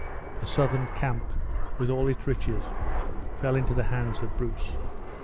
The Southron camp, with all its riches, fell into the hands of Bruce.